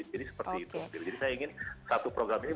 jadi seperti itu jadi saya ingin satu program ini